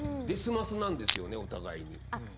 「ですます」なんですよねお互いに。